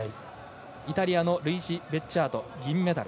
イタリアのルイジ・ベッジャート銀メダル。